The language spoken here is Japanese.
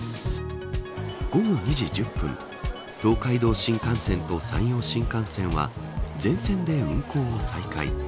午後２時１０分東海道新幹線と山陽新幹線は全線で運行を再開。